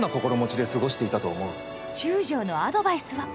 中将のアドバイスは。